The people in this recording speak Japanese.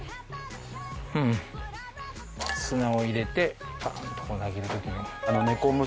砂を入れてパッと投げる時の。